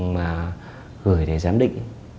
mà gửi để giám định